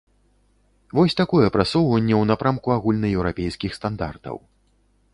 Вось такое прасоўванне ў напрамку агульнаеўрапейскіх стандартаў.